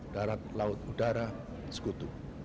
darat laut udara segutu